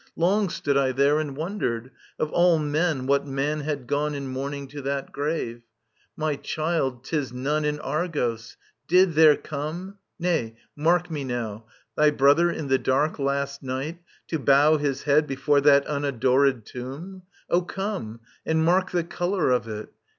Long stood I there And wondered, of all men what man had gone In mourning to that grave. — My child, 'tis none In Argos. Did there come ..• Nay, mark me now ••• Thy brother in the dark, last night, to bow His head before that unadorid tomb ? O come, and mark the colour of it.